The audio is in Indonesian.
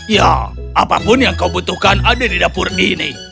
ya apapun yang kau butuhkan ada di dapur ini